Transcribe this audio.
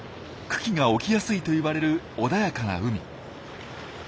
群来が起きやすいといわれる穏やかな海。